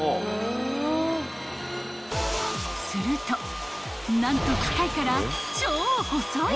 ［すると何と機械から］